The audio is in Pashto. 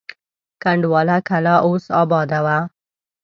کنډواله کلا اوس اباده وه.